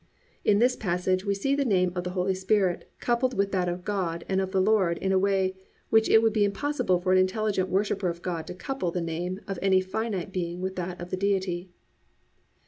"+ In this passage we see the name of the Holy Spirit coupled with that of God and of the Lord in a way in which it would be impossible for an intelligent worshipper of God to couple the name of any finite being with that of the Deity.